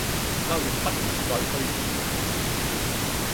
交易不能再推遲